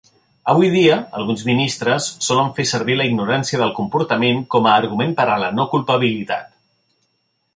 Avui dia, alguns ministres solen fer servir la ignorància del comportament com a argument per a la no culpabilitat.